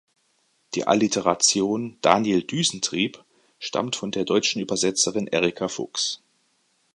Die Alliteration „Daniel Düsentrieb“ stammt von der deutschen Übersetzerin Erika Fuchs.